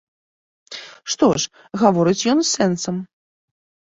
Што ж, гаворыць ён з сэнсам.